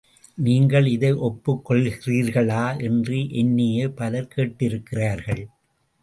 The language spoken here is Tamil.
நீங்கள் இதை ஒப்புக் கொள்கிறீர்களா என்று என்னையே பலர் கேட்டிருக்கிறார்கள்.